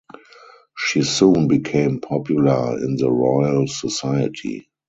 She soon became popular in the royal society.